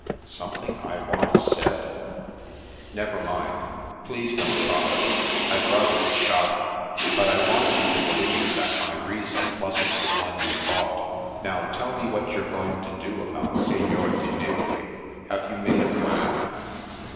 "Something I once said " "Never mind. Please don't talk of it I'd rather be shot at But I want you to believe that my reason wasn't the one you thought. Now, tell me what you're going to do about Signor di Nivoli. Have you made a plan